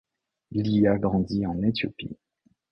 Liya grandit en Éthiopie.